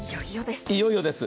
いよいよです。